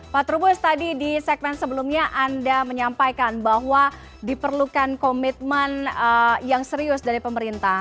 pak trubus tadi di segmen sebelumnya anda menyampaikan bahwa diperlukan komitmen yang serius dari pemerintah